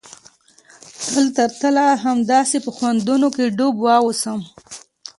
تل تر تله همداسې په خوندونو کښې ډوب واوسم.